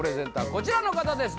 こちらの方です